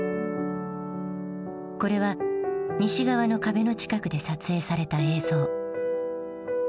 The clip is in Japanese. これは西側の壁の近くで撮影された映像。